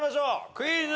クイズ。